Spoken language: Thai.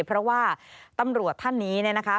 เพราะว่าตำรวจท่านนี้เนี่ยนะคะ